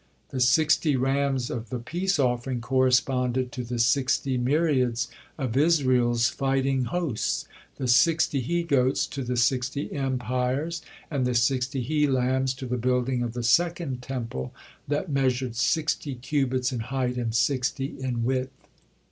The sixty rams of the peace offering corresponded to the sixty myriads of Israel's fighting hosts; the sixty he goats to the sixty empires; and the sixty he lambs to the building of the second Temple that measured sixty cubits in height and sixty in width.